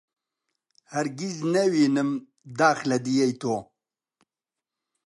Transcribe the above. هەرگیز نەوینم داخ لە دییەی تۆ